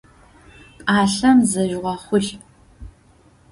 Пӏалъэм зежъугъэхъулӏ!